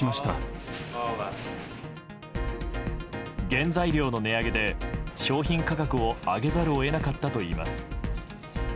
原材料の値上げで商品価格を上げざるを得なかったといいます。